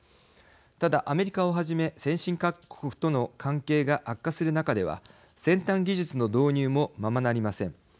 ただ、アメリカをはじめ先進各国との関係が悪化する中では先端技術の導入もままなりません。